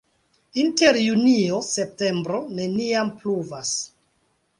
Inter junio-septembro neniam pluvas.